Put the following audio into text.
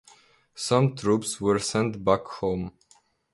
Some troops were sent back home.